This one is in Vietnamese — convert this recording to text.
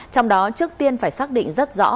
trong đó trước tiên phải xác định rất rõ